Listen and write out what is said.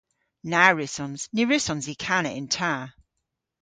Na wrussons. Ny wrussons i kana yn ta.